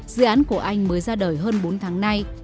dự án của anh mới ra đời hơn bốn tháng nay